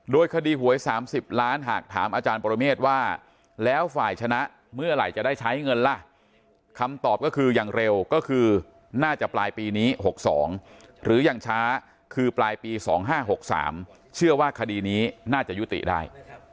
โดยคดีหวย๓๐ล้านหากถามอาจารย์ปรเมฆว่าแล้วฝ่ายชนะเมื่อไหร่จะได้ใช้เงินล่ะคำตอบก็คืออย่างเร็วก็คือน่าจะปลายปีนี้๖๒หรืออย่างช้าคือปลายปี๒๕๖๓เชื่อว่าคดีนี้น่าจะยุติได้